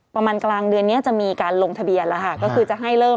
ประมาณกลางเดือนนี้จะมีการลงทะเบียนแล้วค่ะก็คือจะให้เริ่ม